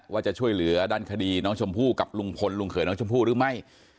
ว่าจะช่วยเหลือด้านคดีน้องชมพู่กับลุงพลลุงเขยน้องชมพู่หรือไม่